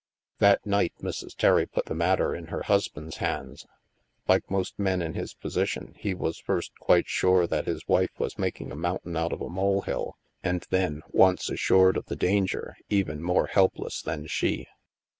That night, Mrs. Terry put the matter in her hus band's hands. Like most men in his position, he was first quite sure that his wife was making a moun tain out of a molehill and then, once assured of the danger, even more helpless than she.